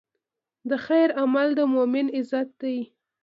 د خیر عمل د مؤمن عزت دی.